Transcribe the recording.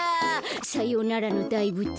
さようならのだいぶつ。